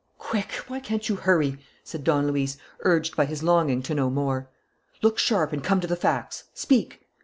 "Quick! Why can't you hurry?" said Don Luis, urged by his longing to know more. "Look sharp and come to the facts. Speak!"